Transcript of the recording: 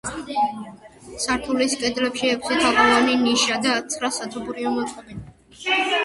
სართულის კედლებში ექვსი თაღოვანი ნიშა და ცხრა სათოფურია მოწყობილი.